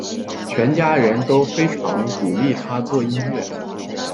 全家人都非常鼓励他做音乐。